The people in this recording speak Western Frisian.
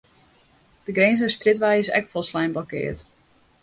De Grinzerstrjitwei is ek folslein blokkeard.